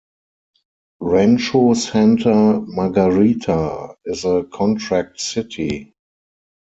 Rancho Santa Margarita is a contract city.